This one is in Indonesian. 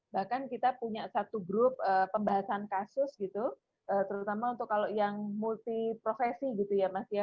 bahkan kita punya satu grup pembahasan kasus gitu terutama untuk kalau yang multiprofesi gitu ya mas ya